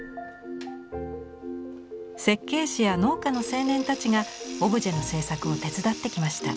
設計士や農家の青年たちがオブジェの制作を手伝ってきました。